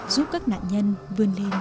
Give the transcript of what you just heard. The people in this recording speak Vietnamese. giúp các nạn nhân vươn lên